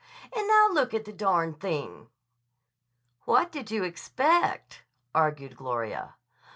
And now look at the darn thing!" "What did you expect?" argued Gloria.